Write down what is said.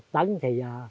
sáu mươi tấn thì